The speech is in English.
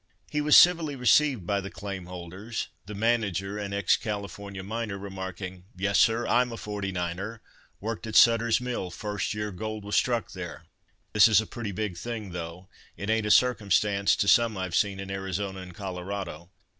He was civilly received by the claim holders; the manager—an ex Californian miner—remarking, "Yes, sir, I'm a 'forty niner,'—worked at Suttor's Mill first year gold was struck there. This is a pretty big thing, though it ain't a circumstance to some I've seen in Arizona and Colorado.